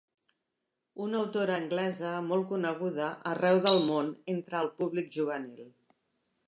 Una autora anglesa molt coneguda arreu del món entre el públic juvenil.